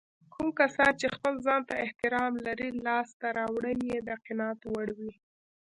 کوم کسان چې خپل ځانته احترام لري لاسته راوړنې يې د قناعت وړ وي.